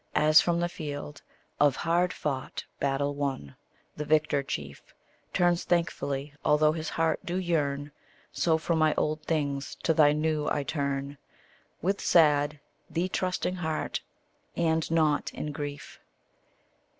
As from the field Of hard fought battle won, the victor chief Turns thankfully, although his heart do yearn, So from my old things to thy new I turn, With sad, thee trusting heart, and not in grief.